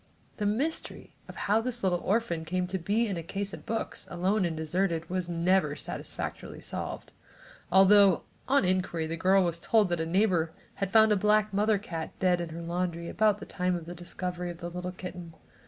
The mystery of how this little orphan came to be in the case of books, alone and deserted, was never satisfactorily solved, although on inquiry the girl was told that a neighbor had found a black mother cat dead in her laundry about the time of the discovery of the little kitten.